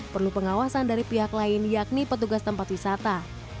perlu pengawasan dari pihak lain yakni petugas tempat wisata